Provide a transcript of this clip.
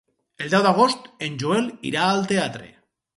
El deu d'agost en Joel irà al teatre.